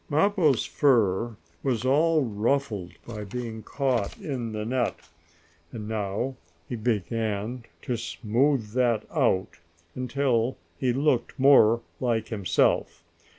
Mappo's fur was all ruffled by being caught in the net, and he now began to smooth that out, until he looked more like himself.